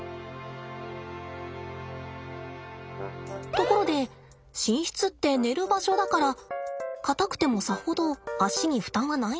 ところで寝室って寝る場所だから硬くてもさほど足に負担はないんじゃって思いません？